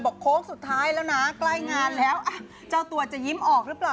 โค้งสุดท้ายแล้วนะใกล้งานแล้วเจ้าตัวจะยิ้มออกหรือเปล่า